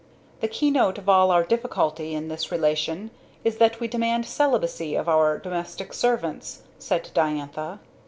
"The keynote of all our difficulty in this relation is that we demand celibacy of our domestic servants," said Diantha.